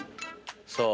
そう。